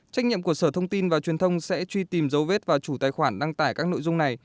trách nhiệm của sở thông tin và truyền thông sẽ truy tìm dấu vết và chủ tài khoản đăng tải các nội dung này